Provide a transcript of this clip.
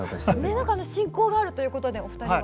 何か親交があるということでお二人は。